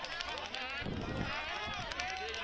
โอเคโอเคโอเคโอเค